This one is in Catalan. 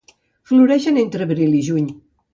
Floreix entre abril i juny.